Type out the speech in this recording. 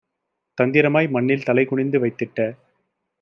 தந்திரமாய் மண்ணில் தலைகுனிந்து வைத்திட்ட